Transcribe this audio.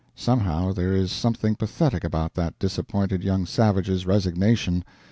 Somehow there is something pathetic about that disappointed young savage's resignation.